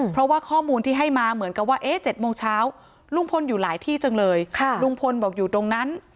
เพราะว่าข้อมูลที่ให้มาเหมือนกับว่า๗โมงเช้าลุงพลอยู่หลายที่จังเลยลุงพลบอกอยู่ตรงนั้น